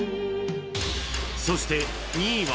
そして２位は